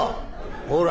「ほら。